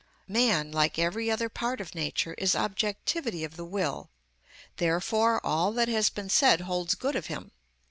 Man, like every other part of Nature, is objectivity of the will; therefore all that has been said holds good of him.